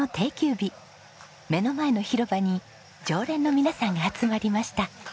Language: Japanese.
日目の前の広場に常連の皆さんが集まりました。